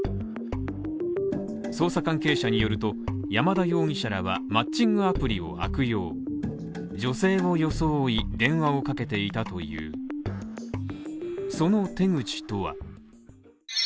捜査関係者によると、山田容疑者らはマッチングアプリを悪用女性を装い電話をかけていたというその手口とは。